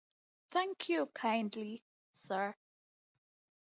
Thank you kindly, sir.